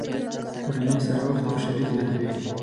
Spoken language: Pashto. کورنۍ سره وخت خوشحالي زیاتوي.